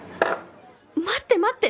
待って待って！